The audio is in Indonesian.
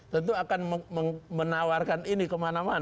tentu akan menawarkan ini kemana mana